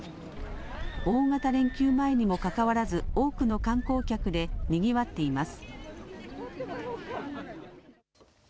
大型連休前にもかかわらず多くの観光客でにぎわっています。